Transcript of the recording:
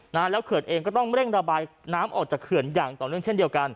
แล้วเขื่อนเองก็ต้องเร่งระบายน้ำออกจากเขื่อนอย่างต่อเนื่องเช่นเดียวกัน